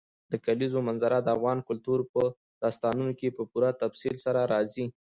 د کلیزو منظره د افغان کلتور په داستانونو کې په پوره تفصیل سره راځي.